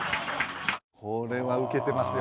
これはウケてますよ。